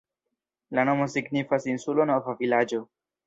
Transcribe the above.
La nomo signifas insulo-nova-vilaĝo.